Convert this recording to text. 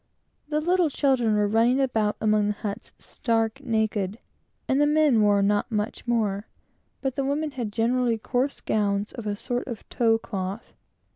The little children were running about among the huts, stark naked, and the men were not much better; but the women had generally coarse gowns, of a sort of tow cloth.